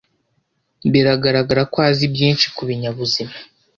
Biragaragara ko azi byinshi kubinyabuzima.